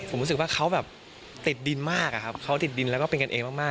ผมรู้สึกว่าเขาแบบติดดินมากอะครับเขาติดดินแล้วก็เป็นกันเองมาก